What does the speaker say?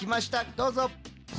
どうぞ。